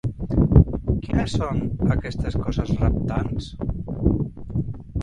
Quines són, aquestes coses reptants?